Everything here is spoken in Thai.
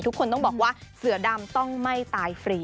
ทุกคนต้องบอกว่าเสือดำต้องไม่ตายฟรี